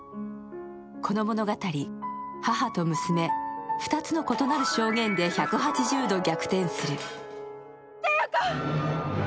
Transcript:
この物語、母と娘、２つの異なる証言で１８０度逆転する。